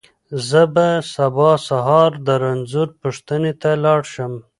زه به سبا سهار د رنځور پوښتنې ته لاړ شم.